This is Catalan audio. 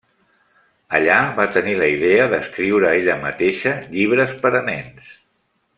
Allà va tenir la idea d'escriure ella mateixa llibres per a nens.